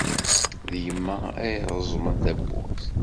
D yemma ay d-ireẓẓmen tawwurt.